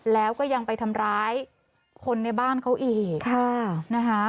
แล้วก็ยังไปทำร้ายคนในบ้านเขาอีกค่ะนะคะ